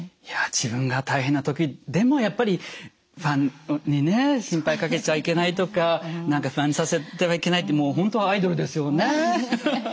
いや自分が大変な時でもやっぱりファンにね心配かけちゃいけないとか何か不安にさせてはいけないってもう本当アイドルですよね。